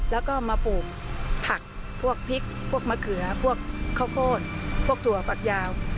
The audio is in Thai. แล้วก็มาปลูกผักพวกพริกพวกมะเขือพวกข้าวโพดพวกถั่วฝักยาว